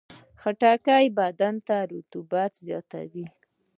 خټکی بدن ته رطوبت زیاتوي.